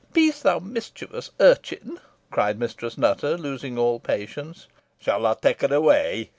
"Peace, thou mischievous urchin," cried Mistress Nutter, losing all patience. "Shall I take her away?"